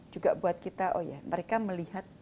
juga buat kita oh ya mereka melihat